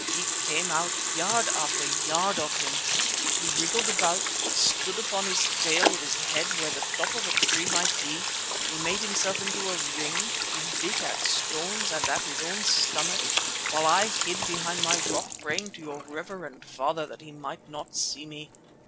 He came out, yard after yard of him. He wriggled about, he stood upon his tail with his head where the top of a tree might be, he made himself into a ring, he bit at stones and at his own stomach, while I hid behind my rock praying to your reverend father that he might not see me.